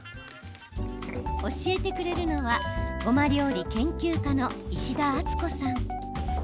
教えてくれるのはごま料理研究家の石田敦子さん。